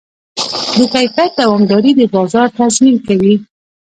د کیفیت دوامداري د بازار تضمین کوي.